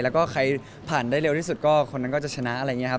แล้วก็ใครผ่านได้เร็วที่สุดก็คนนั้นก็จะชนะอะไรอย่างนี้ครับ